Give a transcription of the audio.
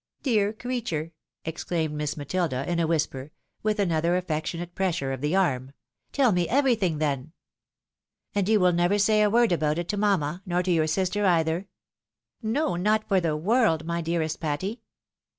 " Dear creature !" exclaimed Miss Matilda, in a whisper, with another affectionate pressure of the arm, " teU me every thing then." " And you will never say a word about it to mamma, nor to your sister either ?"" No, not for the world, my dearest Patty.''